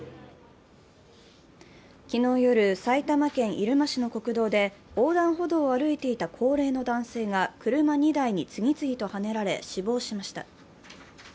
昨日夜、埼玉県入間市の国道で、横断歩道を歩いていた高齢の男性が車２台に次々とはねられ死亡しました。